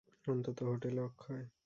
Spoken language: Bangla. অন্তত হোটেলে– অক্ষয়।